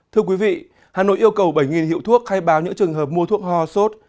thưa quý vị hà nội yêu cầu bảy hiệu thuốc khai báo những trường hợp mua thuốc hoa sốt